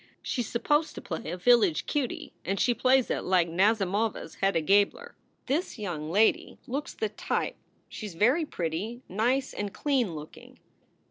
She s supposed to play a village cutie and she plays it like Nazimova s Hedda Gabler. This young lady looks the type. She s very pretty, nice and clean looking."